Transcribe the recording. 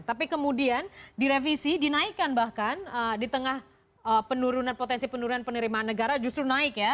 tapi kemudian direvisi dinaikkan bahkan di tengah penurunan potensi penurunan penerimaan negara justru naik ya